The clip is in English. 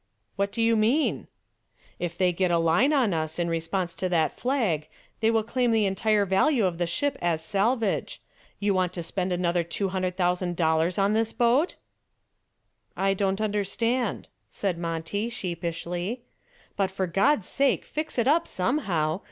"What do you mean?" "If they get a line on us in response to that flag they will claim the entire value of the ship as salvage. You want to spend another $200,000 on this boat?" "I didn't understand," said Monty, sheepishly. "But for God's sake fix it up somehow.